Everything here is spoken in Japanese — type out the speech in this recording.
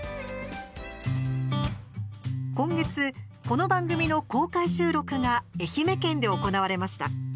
今月、この番組の公開収録が愛媛県で行われました。